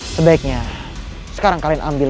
sebaiknya sekarang kalian ambil